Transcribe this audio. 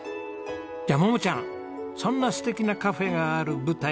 じゃあ桃ちゃんそんな素敵なカフェがある舞台のご紹介